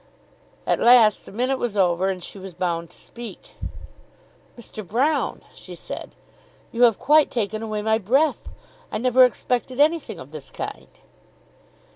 At last the minute was over and she was bound to speak. "Mr. Broune," she said, "you have quite taken away my breath. I never expected anything of this kind."